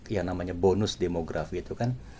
yang namanya bonus demografi itu kan